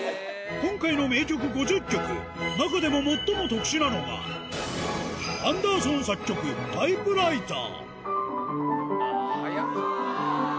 今回の名曲５０曲、中でも最も特殊なのが、アンダーソン作曲、タイプライター。